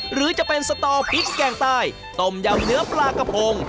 หรือจะเป็นสตอพริกแกงใต้ต้มยำเนื้อปลากระพง